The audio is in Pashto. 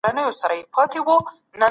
ټولنه او ادبیات يو پر بل اغېز کوي.